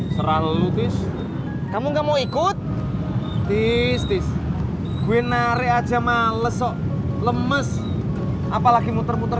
serah lalu tis kamu nggak mau ikut tis tis gue nari aja males so lemes apalagi muter muter